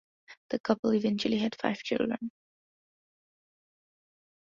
The couple eventually had five children.